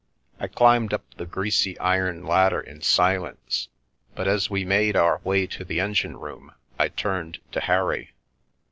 I climbed up the greasy iron ladder in silence, but as we made our way to the engine room I turned to Harry.